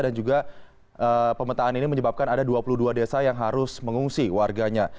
dan juga pemetaan ini menyebabkan ada dua puluh dua desa yang harus mengungsi warganya